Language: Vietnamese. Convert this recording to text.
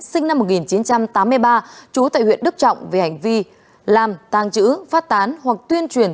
sinh năm một nghìn chín trăm tám mươi ba trú tại huyện đức trọng về hành vi làm tàng trữ phát tán hoặc tuyên truyền